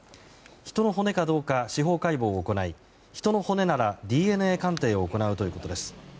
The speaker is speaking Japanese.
人の骨かどうか、司法解剖を行い人の骨ならＤＮＡ鑑定を行うということです。